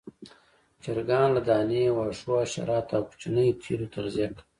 چرګان له دانې، واښو، حشراتو او کوچنيو تیلو تغذیه کوي.